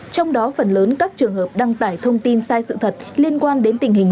trong đó phần lớn các trường hợp đăng tải thông tin sai sự thật liên quan đến tình hình